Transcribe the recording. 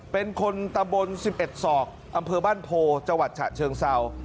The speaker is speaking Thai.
เป็นคนตะบน๑๑ศอกอำเภอบ้านโพจังหวัดฉะเชิงเศร้า